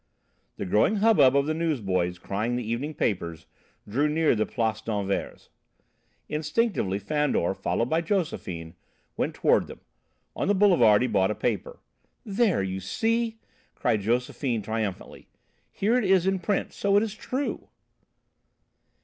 The growing hubbub of the newsboys crying the evening papers drew near the Place d'Anvers. Instinctively Fandor, followed by Josephine, went toward them. On the boulevard he bought a paper. "There you see!" cried Josephine triumphantly. "Here it is in print, so it is true!"